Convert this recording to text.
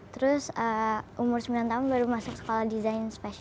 terus umur sembilan tahun baru masuk sekolah design fashion